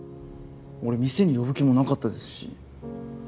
俺店に呼ぶ気もなかったですし。